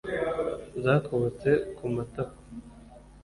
Zakobotse ku matako,